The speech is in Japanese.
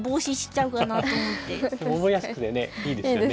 でも覚えやすくてねいいですよね。